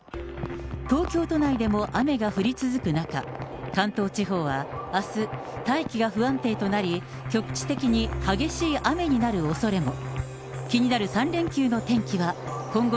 東京都内でも雨が降り続く中、関東地方はあす、大気が不安定となり、局地的に激しい雨になるおそれも。